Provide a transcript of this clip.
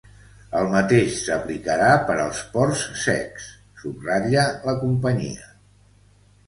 “El mateix s’aplicarà per als ports secs”, subratlla la companyia.